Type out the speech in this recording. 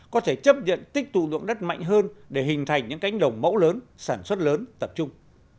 có thể chấp nhận tích tụ dụng đất mạnh hơn để hình thành những cánh đồng mẫu lớn sản xuất lớn tập trung